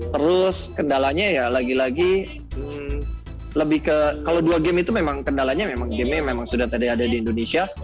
terus kendalanya ya lagi lagi lebih ke kalau dua game itu memang kendalanya memang gamenya memang sudah tadi ada di indonesia